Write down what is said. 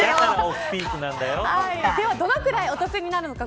ではどのくらいお得になるのか。